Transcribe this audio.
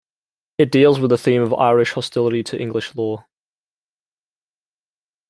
It deals with the theme of Irish hostility to English law.